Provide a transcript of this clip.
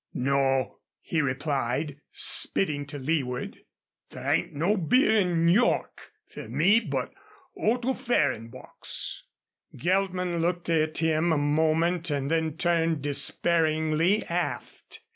"Naw," he replied, spitting to leeward. "There ain't no beer in N' York fer me but Otto Fehrenbach's." Geltman looked at him a moment and then turned despairingly aft.